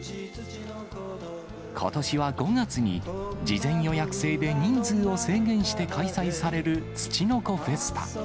ことしは５月に、事前予約制で人数を制限して開催されるつちのこフェスタ。